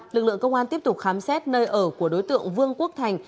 lực lượng công an tiếp tục khám xét nơi ở của đối tượng vương quốc thành